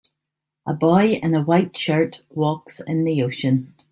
A boy in a white shirt walks in the ocean